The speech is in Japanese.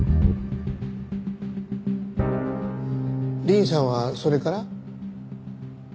リンさんはそれから？